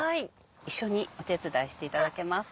一緒にお手伝いしていただけますか？